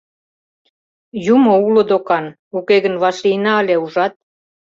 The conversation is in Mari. Юмо уло докан, уке гын вашлийына ыле, ужат?